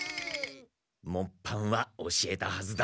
もっぱんは教えたはずだ。